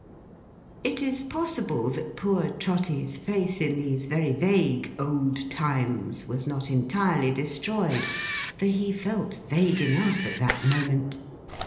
It is possible that poor Trotty's faith in these very vague Old Times was not entirely destroyed, for he felt vague enough at that moment.